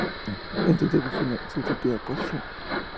En su debut finalizó en última posición.